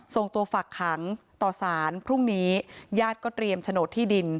ส่งตัวฝักขังต่อสารพรุ่งนี้ญาติก็เตรียมโฉนดที่ดิน